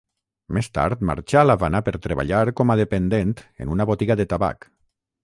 Més tard marxà a l'Havana per treballar com a dependent en una botiga de tabac.